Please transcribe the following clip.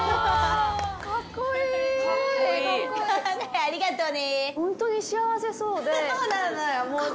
ありがとうね！